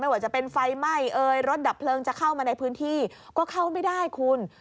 ว่าจะเป็นไฟไหม้เอ่ยรถดับเพลิงจะเข้ามาในพื้นที่ก็เข้าไม่ได้คุณ